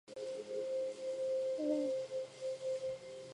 卡文拿在家乡球队泰拿华斯巴达出道。